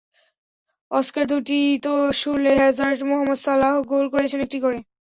Oscar দুটি, Eto, Schurrle, Hazard, Mohammad সালাহ গোল করেছেন একটি করে।